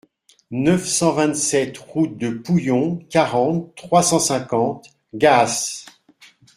neuf cent vingt-sept route de Pouillon, quarante, trois cent cinquante, Gaas